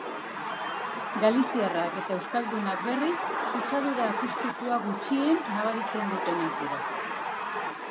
Galiziarrak eta euskaldunak, berriz, kutsadura akustikoa gutxien nabaritzen dutenak dira.